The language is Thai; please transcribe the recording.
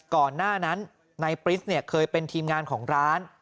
ก่อนหน้านั้นนายปริศเคยเป็นทีมงานของร้าน